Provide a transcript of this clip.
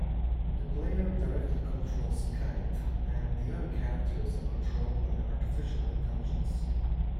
The player directly controls Kite and the other characters are controlled by artificial intelligence.